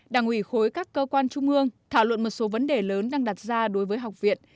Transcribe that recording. đảng ủy khối các cơ quan trung ương thảo luận một số vấn đề lớn đang đặt ra đối với học viện